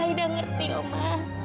aida mengerti oma